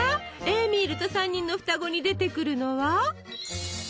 「エーミールと三人のふたご」に出てくるのは？